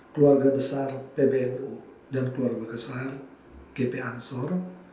keluarga besar pbnu dan keluarga besar gp ansor